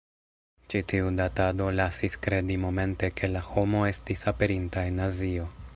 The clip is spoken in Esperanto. Ĉi tiu datado lasis kredi momente, ke la homo estis aperinta en Azio.